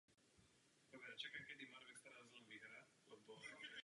Detekce nemoci se provádí častěji na jedincích v riziku než bez něj.